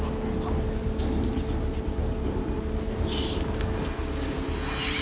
よし。